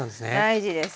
大事です。